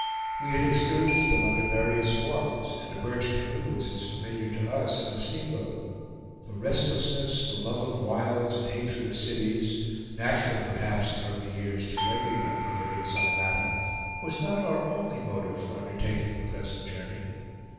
We had experienced them under various forms, and a birch canoe was as familiar to us as a steamboat. The restlessness, the love of wilds and hatred of cities, natural perhaps in early years to every unperverted son of Adam, was not our only motive for undertaking the present journey.